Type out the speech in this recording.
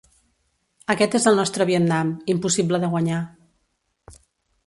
Aquest és el nostre Vietnam, impossible de guanyar.